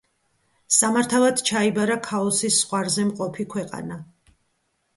სამართავად ჩაიბარა ქაოსის ზღვარზე მყოფი ქვეყანა.